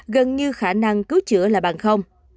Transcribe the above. gần như khả năng cứu chữa là bằng không